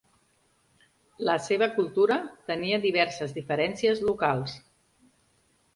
La seva cultura tenia diverses diferències locals.